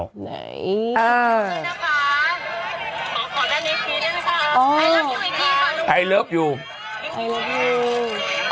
หน่อยนี่นะคะขอแนะนำอีกทีด้วยนะคะไอเลิฟยูไอเลิฟยู